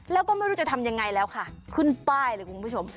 แล้วก็ไม่รู้จะทำยังไงแล้วค่ะขึ้นป้ายเลยคุณผู้ชม